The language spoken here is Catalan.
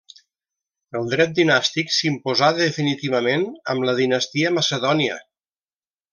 El dret dinàstic s'imposà definitivament amb la dinastia macedònia.